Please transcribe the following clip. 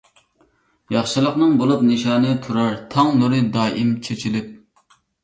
ياخشىلىقنىڭ بولۇپ نىشانى، تۇرار تاڭ نۇرى دائىم چېچىلىپ.